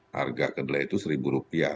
harga kedelai itu seribu rupiah